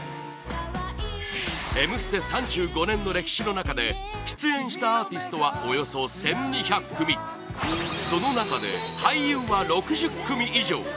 「Ｍステ」３５年の歴史の中で出演したアーティストはおよそ１２００組その中で俳優は６０組以上！